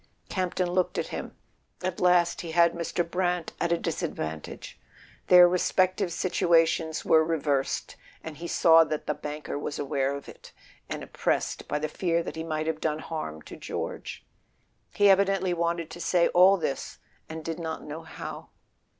Campton looked at him. At last he had Mr. Brant at a disadvantage. Their respective situations were reversed, and he saw that the banker was aware of it, and oppressed by the fear that he might have done harm to George. He evidently wanted to say all this and did not know how.